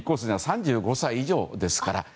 ３５歳以上ですからね。